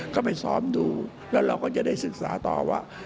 ก็ไปซ้อมดูแล้วเราก็จะได้ศึกษาต่อว่า